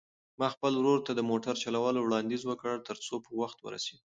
ما خپل ورور ته د موټر چلولو وړاندیز وکړ ترڅو په وخت ورسېږو.